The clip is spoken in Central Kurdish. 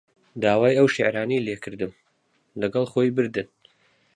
داوای ئەو شیعرانەی لێ کردم، لەگەڵ خۆی بردن